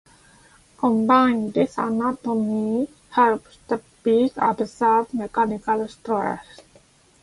Combined, this anatomy helps the beak absorb mechanical stress.